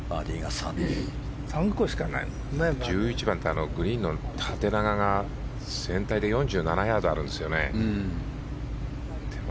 １１番ってグリーンの縦長が全体で４７ヤードあるんですよね。